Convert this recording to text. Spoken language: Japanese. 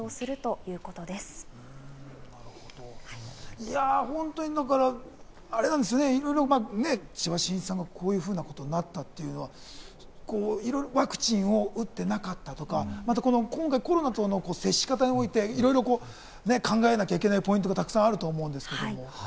いや、本当に千葉真一さんがこういうふうなことになったということは、ワクチンを打ってなかったとか、今回、コロナとの接し方においていろいろ考えなきゃいけないポイントがたくさんあると思うんですけど。